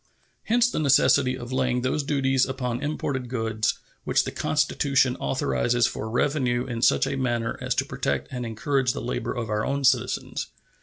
Hence the necessity of laying those duties upon imported goods which the Constitution authorizes for revenue in such a manner as to protect and encourage the labor of our own citizens.